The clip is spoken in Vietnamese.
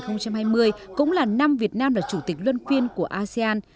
năm hai nghìn hai mươi cũng là năm việt nam là chủ tịch luân phiên của asean